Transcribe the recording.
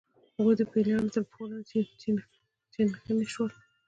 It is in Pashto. هغوی د پیلانو تر پښو لاندې چخڼي شول.